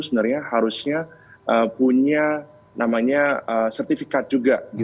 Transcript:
sebenarnya harusnya punya sertifikat juga